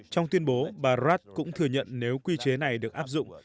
trong tuyên bố bà raad cũng thừa nhận nếu quy chế này được áp dụng